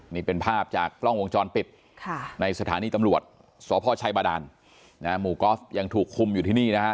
นี่เป็นภาพจากกล้องวงจรปิดในสถานีตำรวจสพชัยบาดานหมู่กอล์ฟยังถูกคุมอยู่ที่นี่นะฮะ